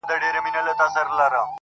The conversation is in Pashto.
زما خوله كي شپېلۍ اشنا.